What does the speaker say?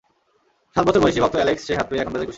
সাত বছর বয়সী ভক্ত অ্যালেক্স সেই হাত পেয়ে এখন বেজায় খুশি।